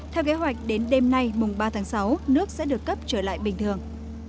theo kế hoạch đến đêm nay mùng ba tháng sáu nước sẽ được cấp trở lại bình thường